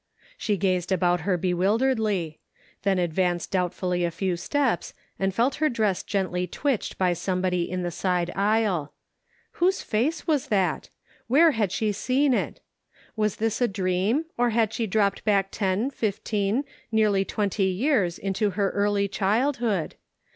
She gazed about her bewilderedly. Then advanced doubtfully a few steps, and felt her dress gently twitched by somebody in the side aisle. Whose face was that? Where had she seen it? Was this a dream, or had she dropped back ten, fifteen, nearly twenty years into her early childhood